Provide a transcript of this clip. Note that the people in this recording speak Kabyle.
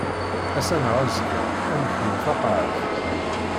Ass-a neɣ azekka ad neḥmu taqaɛet.